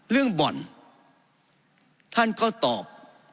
เรื่องบ่อนท่านก็ตอบ